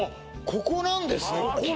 ここなんですよ